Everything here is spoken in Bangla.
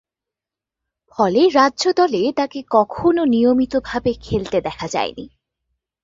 ফলে, রাজ্য দলে তাকে কখনো নিয়মিতভাবে খেলতে দেখা যায়নি।